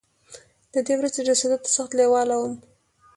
ددې ورځې رسېدو ته سخت لېوال وم.